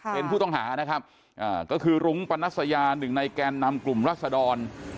เป็นผู้ต้องหานะครับก็คือรุ้งปนัสยาหนึ่งในแกนนำกลุ่มรัศดร